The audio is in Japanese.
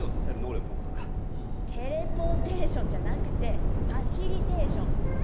テレポーテーションじゃなくてファシリテーション。